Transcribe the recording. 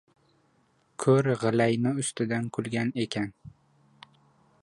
• Ko‘r g‘ilayning ustidan kulgan ekan.